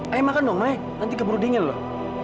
ayo makan dong maya nanti keburu dingin loh